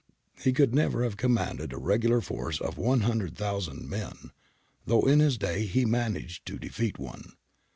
He could never have commanded a regular force of 100,000 men, though in his day he managed to defeat one.